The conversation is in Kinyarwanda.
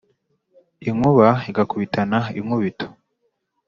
inkuba igakubitana inkubito